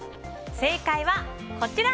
正解は、こちら！